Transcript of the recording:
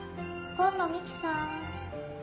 紺野美樹さん。